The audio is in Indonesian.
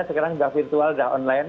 sekarang sudah virtual sudah online